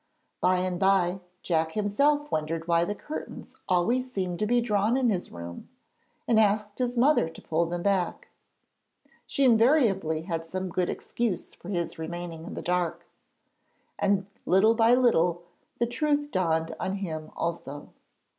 By and bye Jack himself wondered why the curtains always seemed to be drawn in his room and asked his mother to pull them back. She invariably had some good excuse for his remaining in the dark, and little by little the truth dawned on him also.